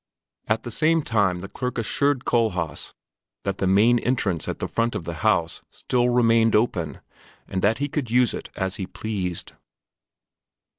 At the same time the clerk assured Kohlhaas that the main entrance at the front of the house still remained open and that he could use it as he pleased.